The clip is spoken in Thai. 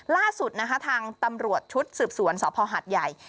ล่าสุดนะคะทางตำรวจชุดสืบสวนสภหัดใหญ่